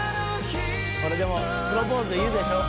これプロポーズで言うでしょ。